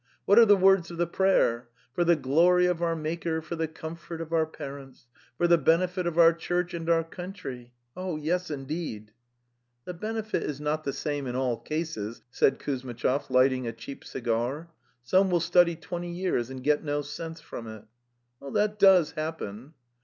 What are the words of the prayer? For the glory of our Maker, for the com fort of our parents, for the benefit of our Church andour counthyis se Yes, indeed!)7' "The benefit is not the same in all cases,' said Kuzmitchov, lighting a cheap cigar; ''some will study twenty years and get no sense from it." "That does happen."